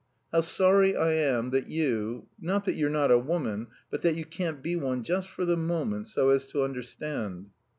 How sorry I am that you... not that you're not a woman, but that you can't be one just for the moment so as to understand."